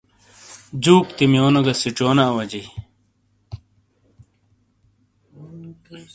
جُوک تِیمیونو گی سِیچیونو اواجیئ۔